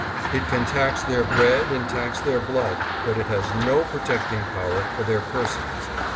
It can tax their bread and tax their blood, but it has no pro tecting power for their persons.